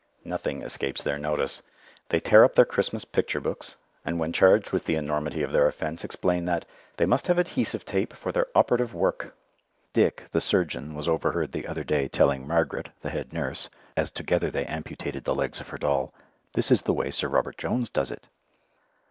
Nothing escapes their notice. They tear up their Christmas picture books, and when charged with the enormity of their offence, explain that they "must have adhesive tape for their operative work." Dick, the surgeon, was overheard the other day telling Margaret, the head nurse, as together they amputated the legs of her doll, "This is the way Sir Robert Jones does it."